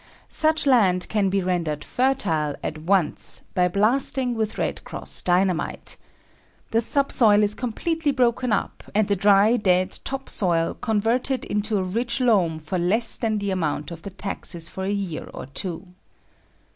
Such land can be rendered fertile at once by blasting with "Red Cross" Dynamite. The subsoil is completely broken up and the dry, dead top soil converted into a rich loam for less than the amount of the taxes for a year or two.